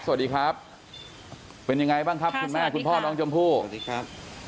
สวัสดีครับเป็นยังไงบ้างครับคุณแม่คุณพ่อน้องชมพู่สวัสดีครับ